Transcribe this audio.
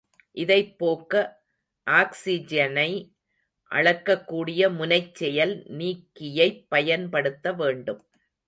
இதைப் போக்க ஆக்சிஜனை அளக்கக் கூடிய முனைச் செயல் நீக்கியைப் பயன்படுத்த வேண்டும்.